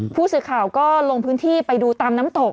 ผู้สื่อข่าวก็ลงพื้นที่ไปดูตามน้ำตก